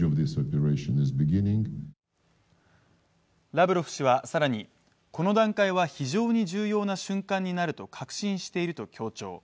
ラブロフ氏は更にこの段階は非常に重要な瞬間になると確信していると強調。